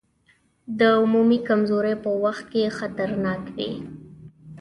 د عمومي کمزورۍ په وخت کې خطرناک وي.